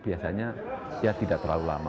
biasanya ya tidak terlalu lama